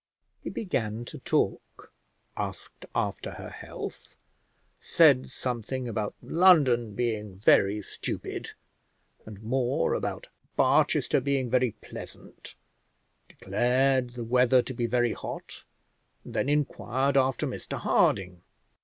He began to talk, asked after her health, said something about London being very stupid, and more about Barchester being very pleasant; declared the weather to be very hot, and then inquired after Mr Harding.